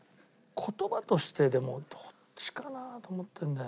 言葉としてでもどっちかなと思ってるんだよね。